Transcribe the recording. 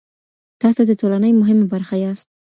تاسو د ټولني مهمه برخه ياست.